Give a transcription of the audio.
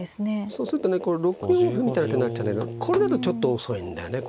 そうするとね６四歩みたいな手になっちゃうけどこれだとちょっと遅いんだよね。